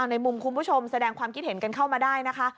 ในมุมคุณผู้ชมแสดงความคิดเห็นกันเข้ามาได้นะคะ